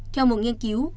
theo một nghiên cứu